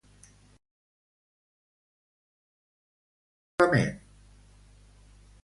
Qui hi va participar, possiblement?